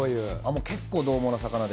結構、どう猛な魚で。